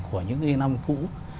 của những cái năm cũ